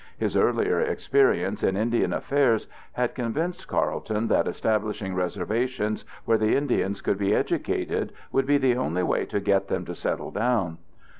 His earlier experience in Indian affairs had convinced Carleton that establishing reservations where the Indians could be educated would be the only way to get them to settle down.